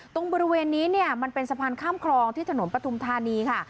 ตรงบริเวณนี้เนี่ยมันเป็นสะพานข้ามคลองที่ถนนปฐุมธานีค่ะ